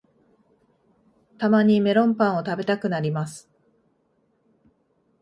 たまにメロンパンを食べたくなります